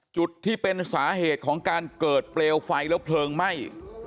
จุดที่เป็นสาเหตุของการเกิดเปลวไฟแล้วเพลิงไหม้